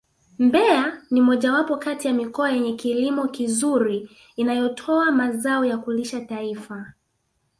Mbeya ni mojawapo kati ya mikoa yenye kilimo kizuri inayotoa mazao ya kulisha taifa